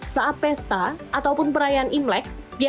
saat pesta ataupun perayaan imlek